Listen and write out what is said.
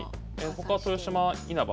他豊島稲葉